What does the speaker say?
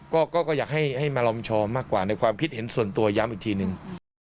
ก็อยากให้มาลอมชอมากกว่าในความคิดเห็นส่วนตัวย้ำอีกทีนึง